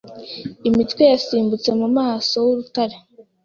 Imitwe yasimbutse mu maso h'urutare